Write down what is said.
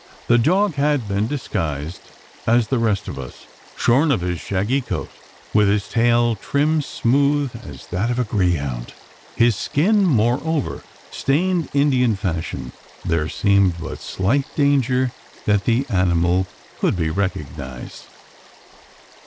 The dog had been disguised, as the rest of us. Shorn of his shaggy coat, with his tail trimmed smooth as that of a greyhound his skin, moreover, stained Indian fashion there seemed but slight danger that the animal could be recognised.